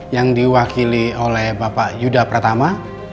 yang diwakili oleh bapak yuda pratama